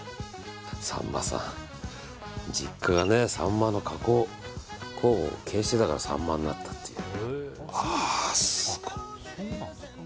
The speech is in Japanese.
さんまさん実家がサンマの加工工房を経営していたからさんまになったという。